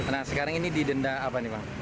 nah sekarang ini didenda apa nih bang